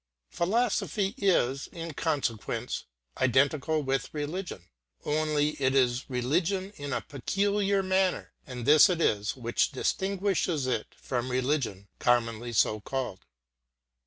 Philosophy is, in consequence, identical with religion. Only it is religion in a peculiar manner, and this it is which distinguishes it from religion commonly so called.